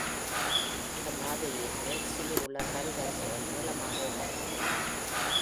இந்த மாதிரியின் மேக்சில்லிலுள்ள பல் வரிசைகள் நீளமாக உள்ளன.